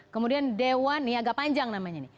kemudian dewan ini agak panjang namanya nih